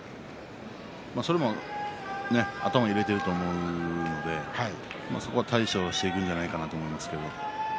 それも頭に入れていると思うのでそこは対処していくんじゃないかなと思いますけれど。